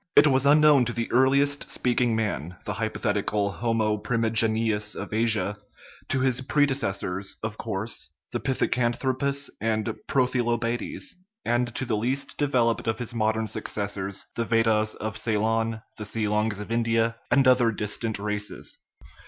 It was unknown to the earliest speaking man (the hypotheti cal homo primigenius of Asia), to his predecessors, of course, the pithecanthropus and prothylobates, and to the least developed of his modern successors, the Ved dahs of Ceylon, the Seelongs of India, and other dis tant races.